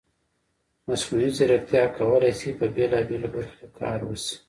مصنوعي ځیرکتیا کولی شي په بېلابېلو برخو کې کار وشي.